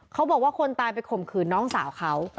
เขาบอกว่าคนตายไปข่มขืนน้องสาวเขา